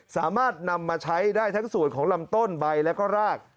สามารถนำมาใช้ได้ทั้งส่วนของลำต้นใบแล้วก็ราก